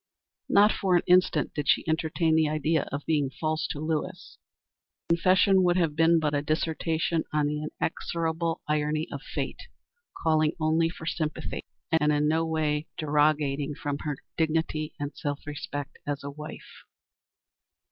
Not for an instant did she entertain the idea of being false to Lewis. Her confession would have been but a dissertation on the inexorable irony of fate, calling only for sympathy, and in no way derogating from her dignity and self respect as a wife.